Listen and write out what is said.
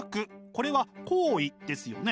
これは行為ですよね。